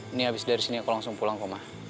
ini abis dari sini aku langsung pulang kok ma